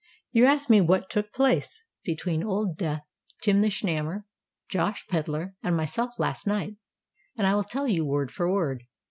You ask me what took place between Old Death, Tim the Snammer, Josh Pedler, and myself last night; and I will tell you word for word.